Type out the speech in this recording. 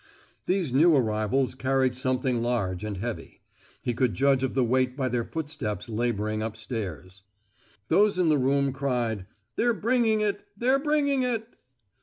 These new arrivals carried something large and heavy; he could judge of the weight by their footsteps labouring upstairs. Those in the room cried, "They're bringing it! they're bringing it!"